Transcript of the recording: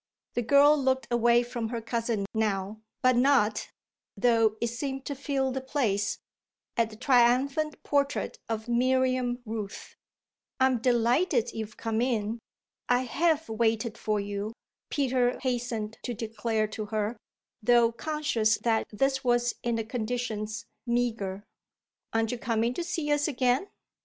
The girl looked away from her cousin now, but not, though it seemed to fill the place, at the triumphant portrait of Miriam Rooth. "I'm delighted you've come in. I have waited for you," Peter hastened to declare to her, though conscious that this was in the conditions meagre. "Aren't you coming to see us again?"